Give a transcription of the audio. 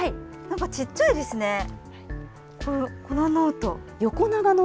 なんかちっちゃいですね。